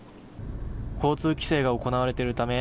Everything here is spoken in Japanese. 交通規制が行われているため